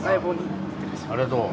ありがとう。